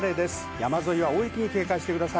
山沿いは大雪に警戒してください。